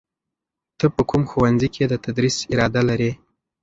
ته په کوم ښوونځي کې د تدریس اراده لرې؟